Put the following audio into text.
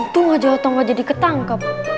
tunggu otong aja diketangkep